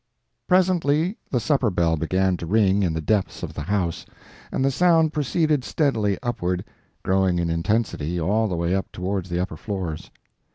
Presently the supper bell began to ring in the depths of the house, and the sound proceeded steadily upward, growing in intensity all the way up towards the upper floors.